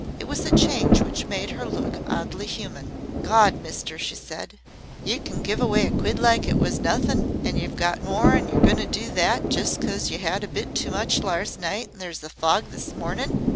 It was a change which made her look oddly human. "Gawd, mister!" she said. "Yer can give away a quid like it was nothin' an' yer've got more an' yer goin' to do THAT jes cos yer 'ad a bit too much lars night an' there's a fog this mornin'!